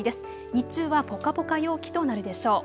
日中はぽかぽか陽気となるでしょう。